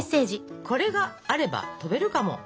「これがあれば飛べるかも」。